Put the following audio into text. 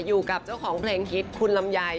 อยู่กับเจ้าของเพลงฮิตคุณลำไย